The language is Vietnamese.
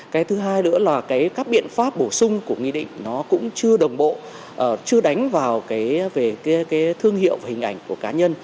cái thứ hai nữa là các biện pháp bổ sung của nghị định nó cũng chưa đồng bộ chưa đánh vào về cái thương hiệu và hình ảnh của cá nhân